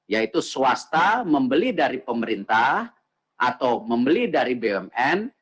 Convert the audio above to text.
yaitu swasta membeli dari pemerintah atau membeli dari bumn